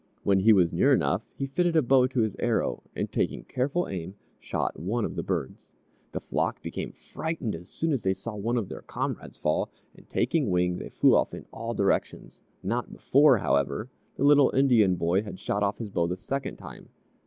When he was near enough, he fitted a bow to his arrow, and taking careful aim, shot one of the birds. The flock became frightened as soon as they saw one of their comrades fall, and taking wing, they flew off in all directions, not before, however, the little Indian boy had shot off his bow the second time.